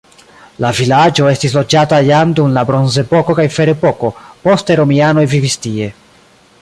La vilaĝo estis loĝata jam dum la bronzepoko kaj ferepoko poste romianoj vivis tie.